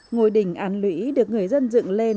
ngôi đình an lũy được người dân dựng lên